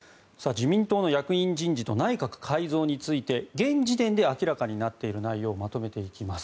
自民党の役員人事と内閣改造について現時点で明らかになっている内容をまとめていきます。